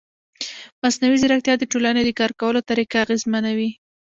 مصنوعي ځیرکتیا د ټولنې د کار کولو طریقه اغېزمنوي.